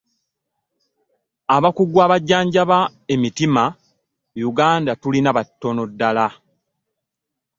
Abakugu abajjanjaba emiti.a Yuganda tulina batono ddala.